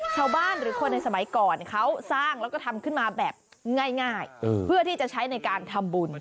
ชาวบ้านหรือคนในสมัยก่อนเขาสร้างแล้วก็ทำขึ้นมาแบบง่ายเพื่อที่จะใช้ในการทำบุญ